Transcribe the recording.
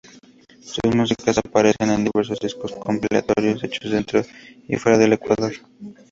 Sus músicas aparecen en diversos discos compilatorios hechos dentro y fuera del Ecuador.